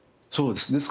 そうですね。